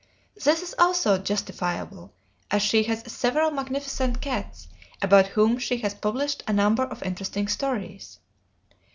This is also justifiable, as she has several magnificent cats, about whom she has published a number of interesting stories.